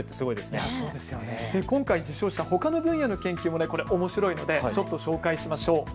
今回受賞したほかの分野の研究もおもしろいのでちょっと紹介しましょう。